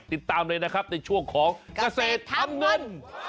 ติดตามเลยนะครับในช่วงของเกษตรทำเงิน